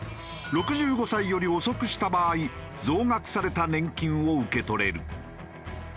６５歳より遅くした場合増額された年金を受け取れる。